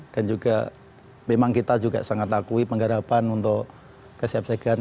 dan juga memang kita juga sangat takui pengharapan untuk kesehatan